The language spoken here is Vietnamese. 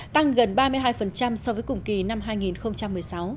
tăng gần ba mươi hai so với cùng kỳ năm hai nghìn một mươi sáu